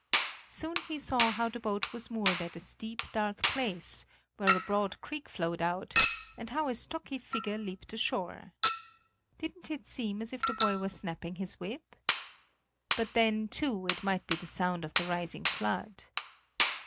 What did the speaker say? Soon he saw how the boat was moored at a steep, dark place, where a broad creek flowed out, and how a stocky figure leaped ashore. Didn't it seem as if the boy were snapping his whip? But then, too, it might be the sound of the rising flood.